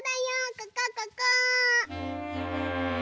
ここここ！